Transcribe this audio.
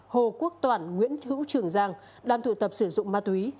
hồ quốc toản nguyễn hữu trường giang đang tụ tập sử dụng ma túy